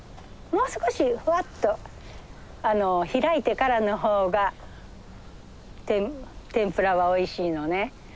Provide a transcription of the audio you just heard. もう少しふわっと開いてからの方が天ぷらはおいしいのね。